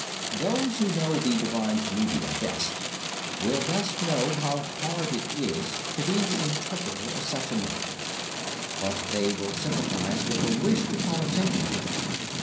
"Those who know the Divina Commedia best will best know how hard it is to be the interpreter of such a mind; but they will sympathize with the wish to call attention to it.